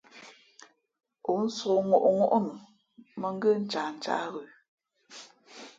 Ǒ nsōk ŋôʼŋó nu, mᾱ ngə́ ncahncǎh ghə̌.